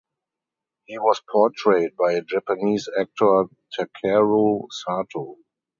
He was portrayed by Japanese actor Takeru Sato.